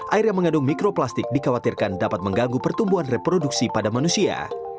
air yang mengandung mikroplastik dikhawatirkan dapat mengganggu pertumbuhan reproduksi pada manusia